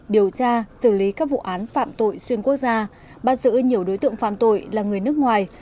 điều tra xử lý các vụ án phạm tội xuyên quốc gia bắt giữ nhiều đối tượng phạm tội là người nước ngoài